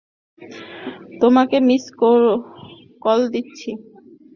তোমাকে miss call দিচ্ছি।